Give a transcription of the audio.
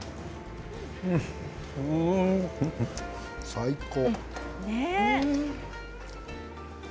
最高。